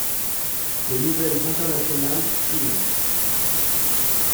Les nouvelles internationales suivent.